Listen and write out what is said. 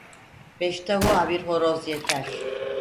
Beş tavuğa bir horoz yeter.